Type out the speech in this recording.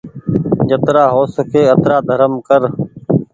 جترآ هو سڪي آترا ڌرم ڪر